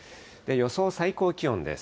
予想最高気温です。